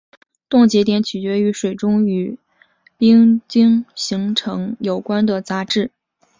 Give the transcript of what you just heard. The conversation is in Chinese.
冻结点取决于水中与冰晶形成有关的杂质。